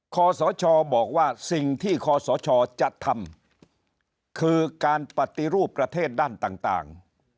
ขอสชบอกว่าสิ่งที่คอสชจะทำคือการปฏิรูปประเทศด้านต่าง